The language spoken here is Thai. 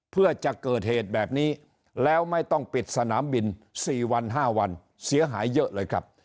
เพื่อจะเกิดเหตุแบบนี้แล้วไม่ต้องปิดสนามบิน๔วัน๕วันเสียหายเยอะเลยครับ